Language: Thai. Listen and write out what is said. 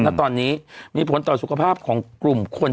ณตอนนี้มีผลต่อสุขภาพของกลุ่มคน